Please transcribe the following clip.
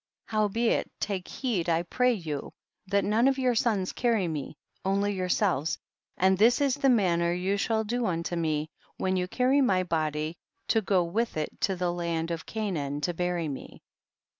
11. Howbeit take heed I pray you that none of your sons carry me, on ly yourselves, and this is the manner you shall do unto me, when you carry my body to go with it to the land of Canaan to bury me.